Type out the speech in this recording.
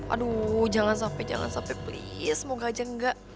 aduh jangan sampai jangan sampai please semoga aja enggak